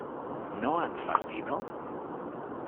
¿no han partido?